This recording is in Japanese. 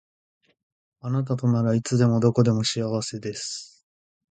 あなたとならいつでもどこでも幸せです